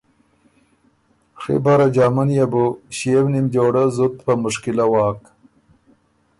ڒی بره جامه نيې بُو ݭيې و نیم جوړۀ زُت په مُشکِله واک۔